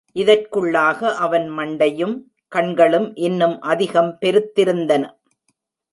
இதற்குள்ளாக அவன் மண்டையும் கண்களும் இன்னும் அதிகம் பெருத்திருந்தன.